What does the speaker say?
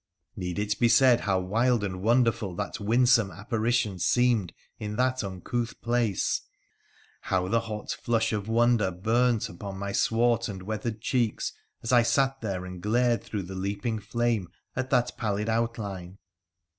Need it be said how wild and wonderful that winsome apparition seemed in that uncouth place, how the hot flush of wonder burnt upon my swart and weathered cheeks as I sat there and glared through the leaping flame at that pallid out line